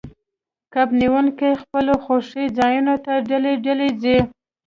کب نیونکي خپلو خوښې ځایونو ته ډلې ډلې ځي